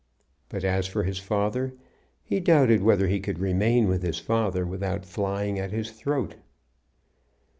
But as for his father, he doubted whether he could remain with his father without flying at his throat.